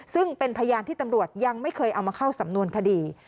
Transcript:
ซึ่งเป็นพยานที่ตำรวจยังไม่เคยเอามาเข้าสำนวนคดี